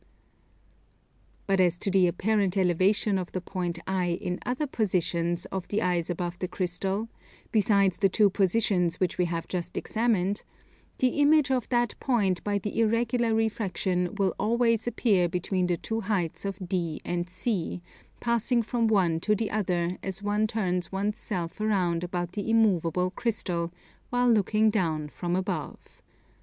But as to the apparent elevation of the point I in other positions of the eyes above the crystal, besides the two positions which we have just examined, the image of that point by the irregular refraction will always appear between the two heights of D and C, passing from one to the other as one turns one's self around about the immovable crystal, while looking down from above.